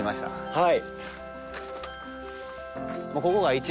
はい。